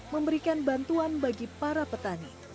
memberikan bantuan bagi para petani